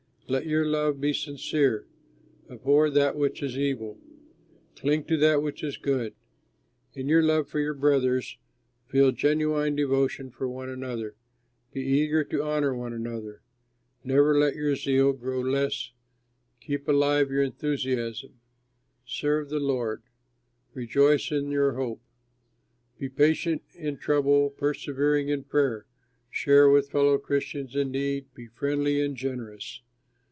Let your love be sincere; abhor that which is evil, cling to that which is good. In your love for your brothers, feel genuine devotion for one another. Be eager to honor one another. Never let your zeal grow less; keep alive your enthusiasm; serve the Lord; rejoice in your hope. Be patient in trouble, persevering in prayer; share with fellow Christians in need, be friendly and generous.